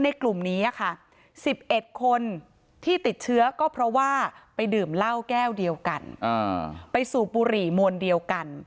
กลุ่มนี้ค่ะ๑๑คนที่ติดเชื้อก็เพราะว่าไปดื่มเหล้าแก้วเดียวกันไปสูบบุหรี่มวลเดียวกัน